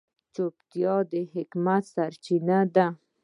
چوپتیا، د حکمت سرچینه ده.